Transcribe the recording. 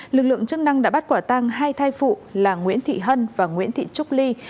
lực lượng chức năng đã bắt quả tăng hai thai phụ là nguyễn thị hân và nguyễn thị trúc ly